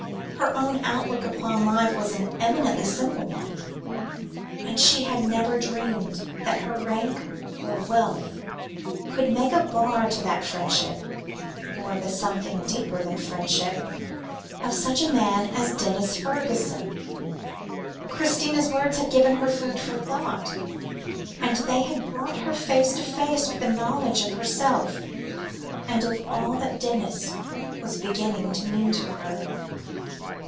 Her own outlook upon life was an eminently simple one, and she had never dreamed that her rank or wealth could make a bar to the friendship, and the something deeper than friendship, of such a man as Denis Fergusson. Christina's words had given her food for thought, and they had also brought her face to face with the knowledge of herself, and of all that Denis was beginning to mean to her.